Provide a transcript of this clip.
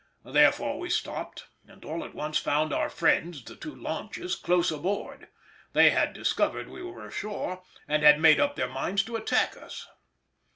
Therefore we stopped, and all at once found our friends, the two launches, close aboard: they had discovered we were ashore, and had made up their minds to attack us.